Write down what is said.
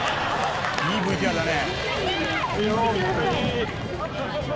「いいＶＴＲだね」